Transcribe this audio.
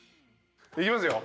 いきますよ。